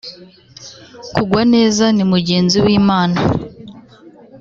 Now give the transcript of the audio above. kugwa neza ni mugenzi w’imana